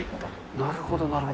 なるほど、なるほど。